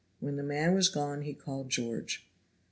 When the man was gone he called George.